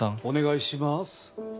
お願いします。